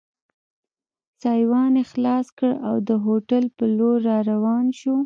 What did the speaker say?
سایوان یې خلاص کړ او د هوټل په لور را روان شو.